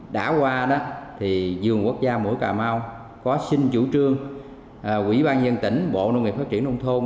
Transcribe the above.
đã qua vườn quốc gia mũi cà mau có xin chủ trương ủy ban nhân tỉnh bộ nông nghiệp phát triển nông thôn